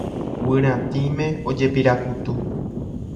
Guyratĩme ojepirakutu.